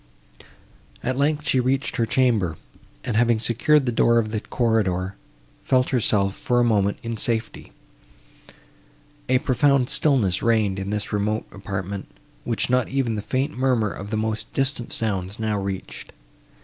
At length, she reached her chamber, and, having secured the door of the corridor, felt herself, for a moment, in safety. A profound stillness reigned in this remote apartment, which not even the faint murmur of the most distant sounds now reached.